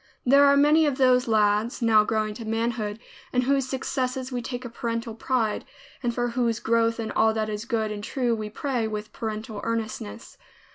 There are many of those lads, now growing to manhood, in whose successes we take a parental pride, and for whose growth in all that is good and true we pray, with parental earnestness.